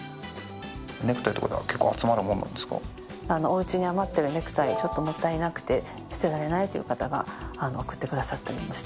おうちに余ってるネクタイもったいなくて捨てられないという方が送ってくださったりもしています。